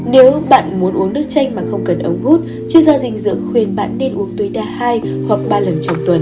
nếu bạn muốn uống nước chanh mà không cần ống hút chuyên gia dinh dưỡng khuyên bạn nên uống tối đa hai hoặc ba lần trong tuần